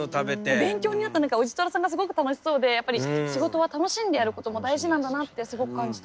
勉強になった何かおじとらさんがすごく楽しそうでやっぱり仕事は楽しんでやることも大事なんだなってすごく感じた。